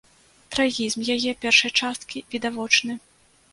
Трагізм яе першай часткі відавочны.